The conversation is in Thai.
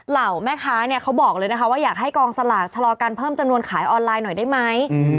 เหล่าแม่ค้าเนี่ยเขาบอกเลยนะคะว่าอยากให้กองสลากชะลอการเพิ่มจำนวนขายออนไลน์หน่อยได้ไหม